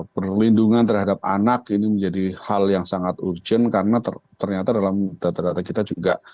perlindungan terhadap anak ini menjadi hal yang sangat urgent karena ternyata dalam data data kita juga